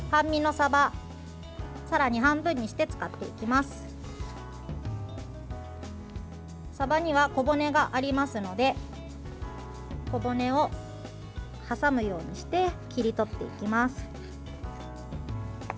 さばには小骨がありますので小骨を挟むようにして切り取っていきます。